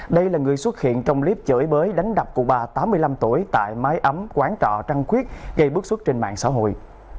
đây là người xuất hiện trong clip chửi bới đánh đập của bà tám mươi năm tuổi tại mái ấm quán trọ trăng khuyết gây bước xuất trên mạng xã hội